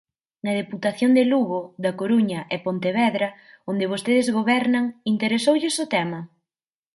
Na Deputación de Lugo, da Coruña e Pontevedra, onde vostedes gobernan, ¿interesoulles o tema?